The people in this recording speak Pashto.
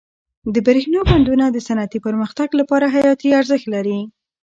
د برښنا بندونه د صنعتي پرمختګ لپاره حیاتي ارزښت لري.